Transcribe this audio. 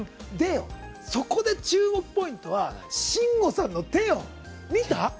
そこで注目ポイントは慎吾さんの手よ、見た？